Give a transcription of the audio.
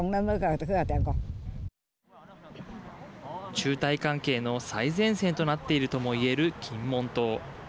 中台関係の最前線となっているともいえる金門島。